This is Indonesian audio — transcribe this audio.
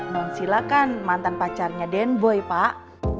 nonsila kan mantan pacarnya denboy pak